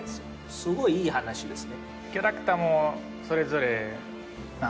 すごいいい話ですね。